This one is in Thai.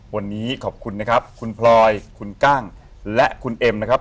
วันนี้ขอบคุณนะครับคุณพลอยคุณกั้งและคุณเอ็มนะครับ